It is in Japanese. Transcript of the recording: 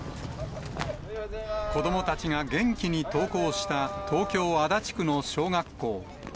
子どもたちが元気に登校した東京・足立区の小学校。